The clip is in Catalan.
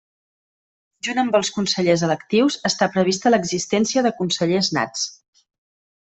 Junt amb els consellers electius, està prevista l'existència de consellers nats.